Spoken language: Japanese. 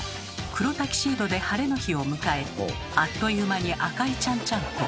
黒タキシードでハレの日を迎えあっという間に赤いちゃんちゃんこ。